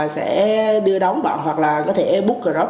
sẽ đưa đóng bạn hoặc là có thể bút cửa rốt